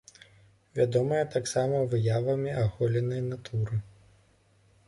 Вядомая таксама выявамі аголенай натуры.